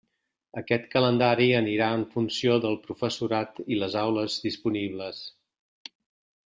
Aquest calendari anirà en funció del professorat i les aules disponibles.